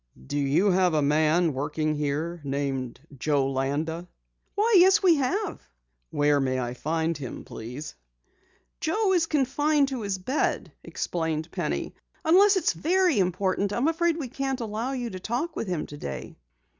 "Do you have a man working here named Joe Landa?" "Why, yes, we have." "Where may I find him, please?" "Joe is confined to his bed," explained Penny. "Unless it is very important I am afraid we can't allow you to talk with him today."